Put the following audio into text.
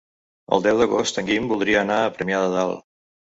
El deu d'agost en Guim voldria anar a Premià de Dalt.